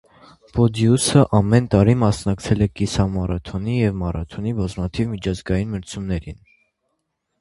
Պրոդիուսը ամեն տարի մասնակցել է կիսամարաթոնի և մարաթոնի բազմաթիվ միջազգային մրցումներին։